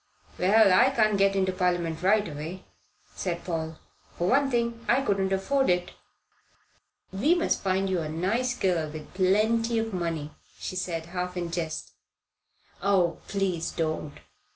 "Well, I can't get into Parliament right away," said Paul. "For one thing, I couldn't afford it." "We must find you a nice girl with plenty of money," she said, half in jest. "Oh, please don't.